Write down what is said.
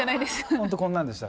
本当こんなんでした。